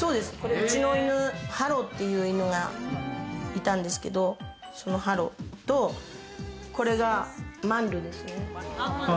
うちのハロっていう犬がいたんですけど、そのハロとこれがマンルですね。